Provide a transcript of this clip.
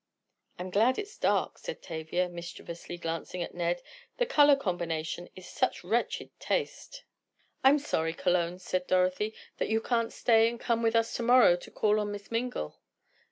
"I'm glad it's dark," said Tavia, mischievously glancing at Ned, "the color combination is such wretched taste!" "I'm sorry, Cologne," said Dorothy, "that you can't stay and come with us to morrow to call on Miss Mingle."